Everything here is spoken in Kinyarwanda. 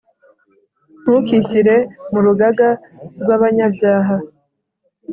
Ntukishyire mu rugaga rw’abanyabyaha,